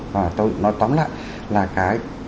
và tôi nói tóm lại là cái